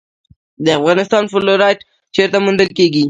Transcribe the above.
د افغانستان فلورایټ چیرته موندل کیږي؟